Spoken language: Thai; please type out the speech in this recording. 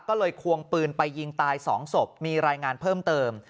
ก็เลยควงปืนไปยิงตาย๒ศพมีรายงานเพิ่มเติม